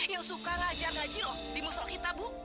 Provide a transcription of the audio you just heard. yang suka lajar lajir oh di musuh kita bu